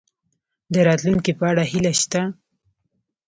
د راتلونکي په اړه هیله شته؟